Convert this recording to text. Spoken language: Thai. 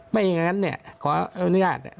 ไม่อย่างนั้นขออนุญาต